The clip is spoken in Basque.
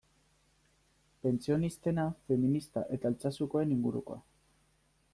Pentsionistena, feminista eta Altsasukoen ingurukoa.